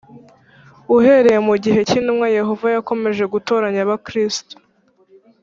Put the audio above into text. Uhereye mu gihe cy intumwa Yehova yakomeje gutoranya Abakristo